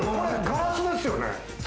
ガラスですよね。